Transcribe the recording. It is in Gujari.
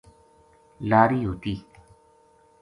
کَدے اِنھ بکروال لوکاں کول کوئی لاری ہوتی